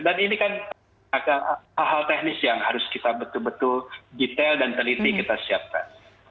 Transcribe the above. dan ini kan hal hal teknis yang harus kita betul betul detail dan teliti kita siapkan